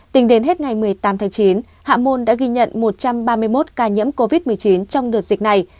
tính đến hết ngày một mươi tám tháng chín hạ môn đã ghi nhận một trăm ba mươi một ca nhiễm covid một mươi chín trong đợt dịch này